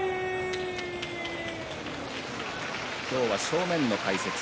今日は正面の解説